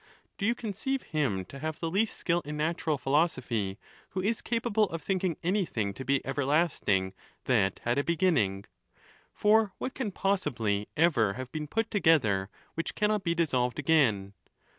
Do you conceive him to have the least skill in natural philosophy who is capable of thinking anything to be everlasting that had a beginning? For what can possibly ever have been put together which cannot be dissolved again?